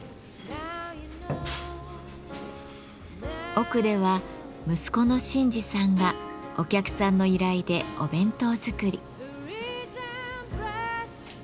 奥では息子の晋司さんがお客さんの依頼でお弁当づくり。